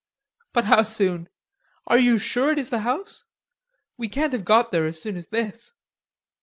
"But how soon. Are you sure it is the house? We can't have got there as soon as this."